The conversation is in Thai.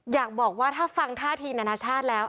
อยากบอกว่าถ้าฟังท่าทีนานาชาติแล้ว